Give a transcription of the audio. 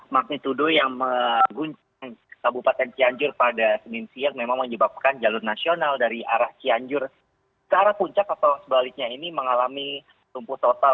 magnitudo yang mengguncang kabupaten cianjur pada senin siang memang menyebabkan jalur nasional dari arah cianjur ke arah puncak atau sebaliknya ini mengalami lumpuh total